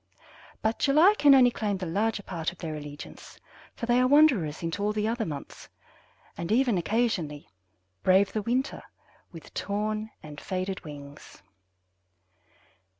But July can only claim the larger part of their allegiance, for they are wanderers into all the other months, and even occasionally brave the winter with torn and faded wings."